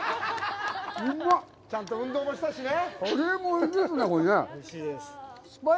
ちゃんと運動もしたしね。